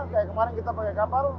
kayak kemarin kita pakai kapal